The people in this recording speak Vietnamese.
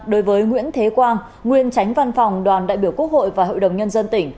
đối với nguyễn thế quang nguyên tránh văn phòng đoàn đại biểu quốc hội và hội đồng nhân dân tỉnh